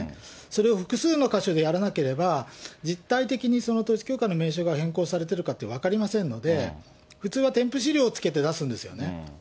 それを複数の箇所でやらなければ、実態的にその統一教会の名称が変更されてるかって、分かりませんので、普通は添付資料をつけて出すんですよね。